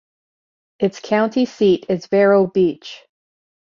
Its county seat is Vero Beach.